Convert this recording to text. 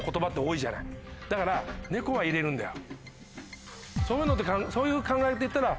だから「猫」は入れるんだよ。